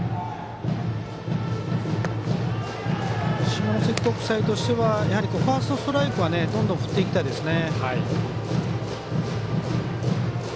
下関国際としてはやはりファーストストライクはどんどん振っていきたいですね。